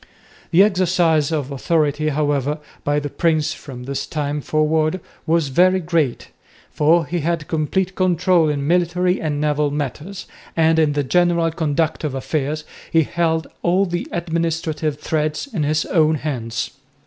The exercise of authority, however, by the prince from this time forward was very great, for he had complete control in military and naval matters, and in the general conduct of affairs he held all the administrative threads in his own hands.